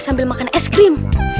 sambil makan es krim